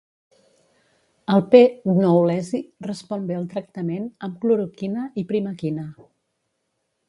El "P. knowlesi" respon bé al tractament amb cloroquina i primaquina.